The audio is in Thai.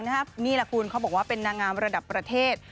นี่แหละคุณเขาบอกว่าเป็นนางงามระดับประเทศ